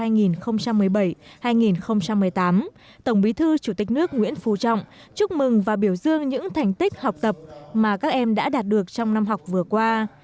năm hai nghìn một mươi bảy hai nghìn một mươi tám tổng bí thư chủ tịch nước nguyễn phú trọng chúc mừng và biểu dương những thành tích học tập mà các em đã đạt được trong năm học vừa qua